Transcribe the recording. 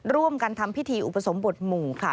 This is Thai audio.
ร่วมกันทำพิธีอุปสมบทหมู่ค่ะ